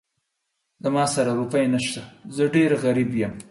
زما سره روپۍ نه شته، زه ډېر غريب يم.